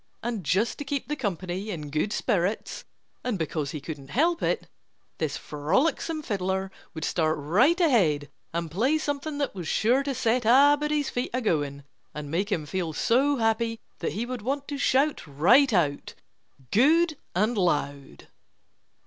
And just to keep the company in good spirits and because he couldn't help it this frolicsome fiddler would start right ahead and play something that was sure to set a body's feet a going and make him feel so happy that he would want to shout right out good and loud.